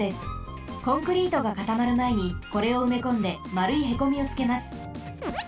コンクリートがかたまるまえにこれをうめこんでまるいへこみをつけます。